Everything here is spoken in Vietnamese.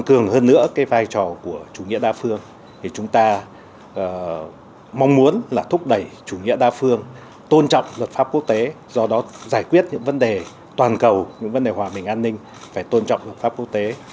tăng cường hơn nữa cái vai trò của chủ nghĩa đa phương thì chúng ta mong muốn là thúc đẩy chủ nghĩa đa phương tôn trọng luật pháp quốc tế do đó giải quyết những vấn đề toàn cầu những vấn đề hòa bình an ninh phải tôn trọng luật pháp quốc tế